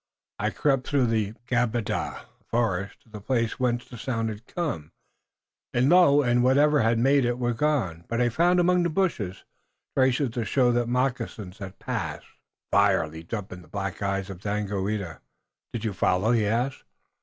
I crept through Gabada (the forest) to the place, whence the sound had come, and lo! it and whatever had made it were gone, but I found among the bushes traces to show that moccasins had passed." Fire leaped up in the black eyes of Daganoweda. "Did you follow?" he asked.